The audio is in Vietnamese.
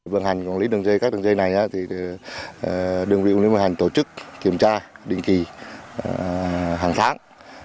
vận hành quản lý đường dây các đường dây này đơn vị quản lý vận hành tổ chức kiểm tra định kỳ hàng tháng